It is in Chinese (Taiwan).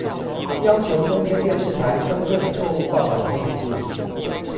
要求中天電視台更正錯誤報導內容